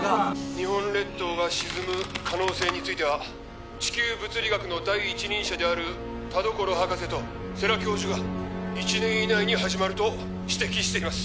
日本列島が沈む可能性については地球物理学の第一人者である田所博士と世良教授が一年以内に始まると指摘しています